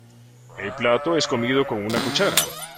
El plato es comido con una cuchara.